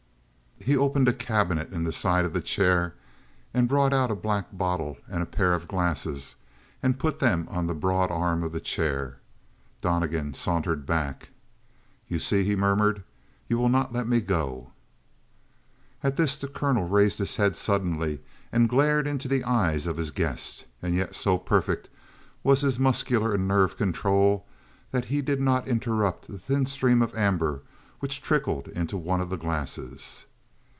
He opened a cabinet in the side of the chair and brought out a black bottle and a pair of glasses and put them on the broad arm of the chair. Donnegan sauntered back. "You see," he murmured, "you will not let me go." At this the colonel raised his head suddenly and glared into the eyes of his guest, and yet so perfect was his muscular and nerve control that he did not interrupt the thin stream of amber which trickled into one of the glasses.